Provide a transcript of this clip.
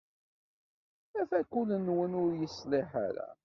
Afakul-nwen ur yeṣliḥ ara.